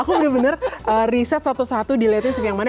aku bener bener riset satu satu dilating yang mana